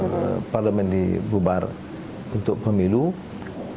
tentang itu saya tidak akan menyebabkan penyebaran berita bohong